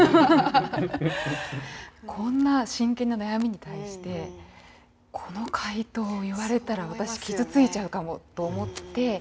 こんな真剣な悩みに対してこの回答を言われたら私傷ついちゃうかもと思って。